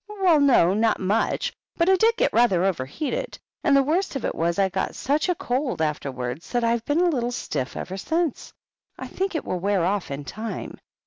"Well, no, not much. But I did get rather overheated ; and the worst of it was, I got such a cold afterwards that I've been a little stiff ever since. I think it will wear off in time.